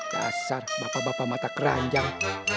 kasar bapak bapak mata keranjang